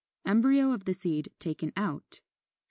Embryo of the seed taken out. 23.